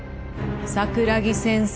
桜木先生